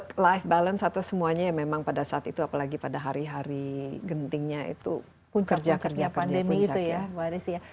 tidur kesehatan hidup atau semuanya ya memang pada saat itu apalagi pada hari hari gentingnya itu kerja kerja puncak ya